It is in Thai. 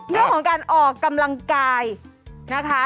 เรื่องของการออกกำลังกายนะคะ